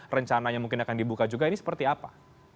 rencananya mungkin akan dibuka juga ini seperti apa